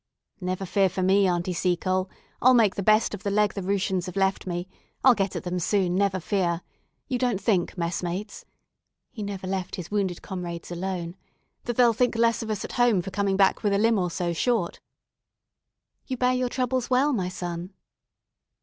"Never fear for me, Aunty Seacole; I'll make the best of the leg the Rooshians have left me. I'll get at them soon again, never fear. You don't think, messmates" he never left his wounded comrades alone "that they'll think less of us at home for coming back with a limb or so short?" "You bear your troubles well, my son."